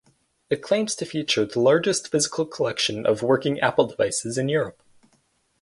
It claims to feature "the largest physical collection of working Apple devices in Europe".